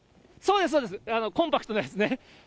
そうです、そうです、コンパクトのやつね。